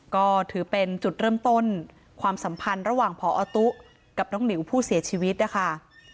ก็ถือเป็นจุดเริ่มต้นความสัมพันธ์ระหว่างพอตุ๊กับน้องหลิวผู้เสียชีวิตนะคะ